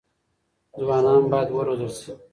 ځوانان بايد وروزل سي.